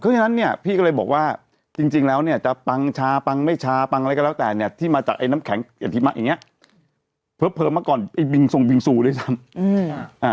ฉะนั้นเนี่ยพี่ก็เลยบอกว่าจริงจริงแล้วเนี่ยจะปังชาปังไม่ชาปังอะไรก็แล้วแต่เนี่ยที่มาจากไอ้น้ำแข็งอธิมะอย่างนี้เผลอมาก่อนไอ้บิงทรงบิงซูด้วยซ้ำ